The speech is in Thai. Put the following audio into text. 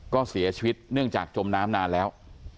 ก็เสียชีวิตเนื่องจากจมน้ำนานแล้ว